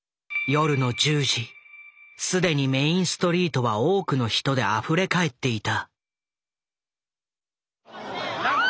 既にメインストリートは多くの人であふれ返っていた。